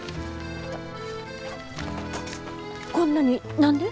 こんなに何で？